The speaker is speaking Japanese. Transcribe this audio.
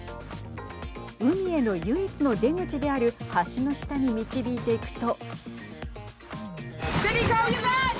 海への唯一の出口である橋の下に導いていくと。